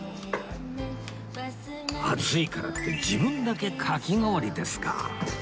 暑いからって自分だけかき氷ですか？